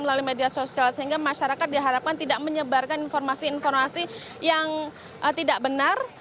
melalui media sosial sehingga masyarakat diharapkan tidak menyebarkan informasi informasi yang tidak benar